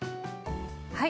はい。